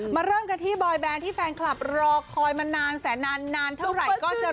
เริ่มกันที่บอยแบนที่แฟนคลับรอคอยมานานแสนนานเท่าไหร่ก็จะ